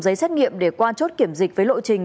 giấy xét nghiệm để qua chốt kiểm dịch với lộ trình